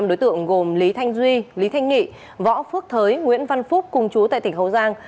năm đối tượng gồm lý thanh duy lý thanh nghị võ phước thới nguyễn văn phúc cùng chú tại tỉnh hậu giang